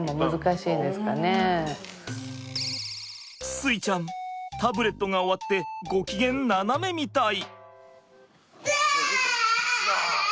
穂ちゃんタブレットが終わってご機嫌ナナメみたい。